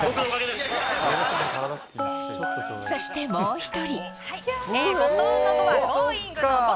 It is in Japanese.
そして、もう１人。